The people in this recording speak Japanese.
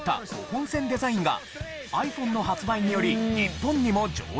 ５本線デザインがｉＰｈｏｎｅの発売により日本にも上陸。